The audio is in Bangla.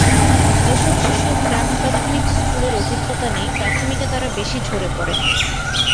যেসব শিশুর প্রাক-প্রাথমিক স্কুলের অভিজ্ঞতা নেই, প্রাথমিকে তারা বেশি ঝরে পড়ে।